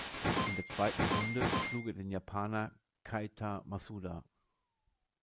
In der zweiten Runde schlug er den Japaner Keita Masuda.